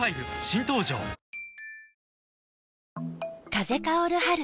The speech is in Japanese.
風薫る春。